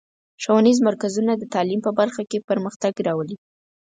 ښوونیز مرکزونه د تعلیم په برخه کې پرمختګ راولي.